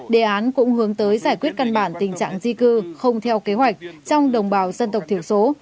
đề án cũng hướng tới giải quyết căn bản tình trạng di cư không theo kế hoạch trong đồng bào dân tộc thiểu số